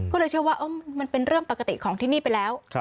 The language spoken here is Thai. ก็เลยเชื่อว่ามันเป็นเรื่องปกติของที่นี่ไปแล้ว